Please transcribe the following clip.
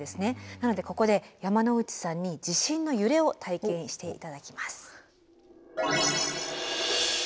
なのでここで山之内さんに地震の揺れを体験して頂きます。